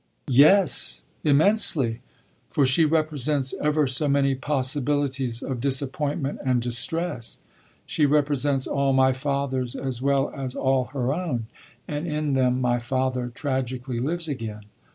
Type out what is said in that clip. "Yes, immensely; for she represents ever so many possibilities of disappointment and distress. She represents all my father's as well as all her own, and in them my father tragically lives again.